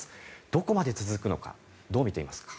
どこまで続くのかどう見ていますか。